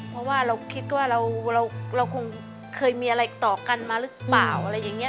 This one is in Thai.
เพราะว่าเราคิดว่าเราคงเคยมีอะไรต่อกันมาหรือเปล่าอะไรอย่างนี้